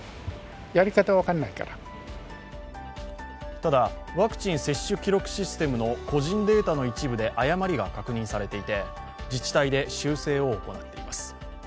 ただ、ワクチン接種記録システムの個人データの一部で誤りが確認されていて、自治体で修正を行っています。